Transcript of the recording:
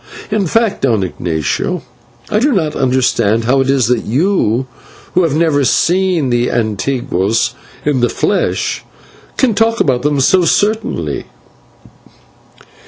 In fact, Don Ignatio, I do not understand how it is that you, who have never seen the /antiguos/ in the flesh, can talk about them so certainly."